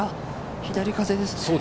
左風ですね。